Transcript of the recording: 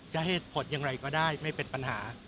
เหตุผลอย่างไรก็ได้ไม่เป็นปัญหา